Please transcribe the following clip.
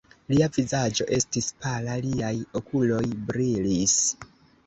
Lia vizaĝo estis pala, liaj okuloj brilis.